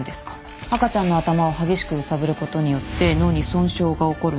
赤ちゃんの頭を激しく揺さぶることによって脳に損傷が起こるんですよね。